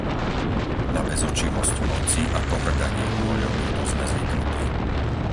Na bezočivosť moci a pohŕdanie vôľou ľudu sme zvyknutí.